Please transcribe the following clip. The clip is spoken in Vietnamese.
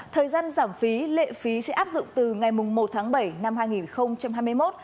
thời gian giảm phí lệ phí sẽ áp dụng từ ngày một tháng bảy năm hai nghìn hai mươi một